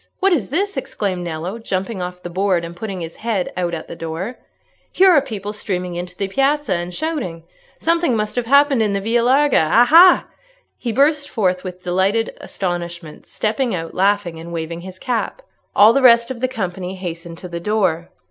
what is this?" exclaimed Nello, jumping off the board, and putting his head out at the door. "Here are people streaming into the piazza, and shouting. Something must have happened in the Via Larga. Aha!" he burst forth with delighted astonishment, stepping out laughing and waving his cap. All the rest of the company hastened to the door.